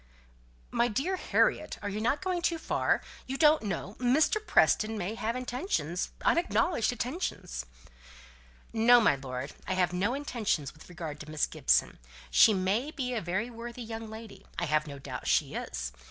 "My dear Harriet, are not you going too far? You don't know Mr. Preston may have intentions unacknowledged intentions." "No, my lord. I have no intentions with regard to Miss Gibson. She may be a very worthy young lady I have no doubt she is.